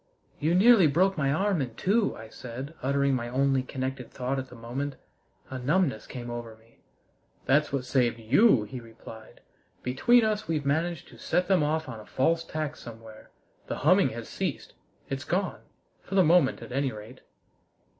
"You nearly broke my arm in two," I said, uttering my only connected thought at the moment. A numbness came over me. "That's what saved you!" he replied. "Between us, we've managed to set them off on a false tack somewhere. The humming has ceased. It's gone for the moment at any rate!"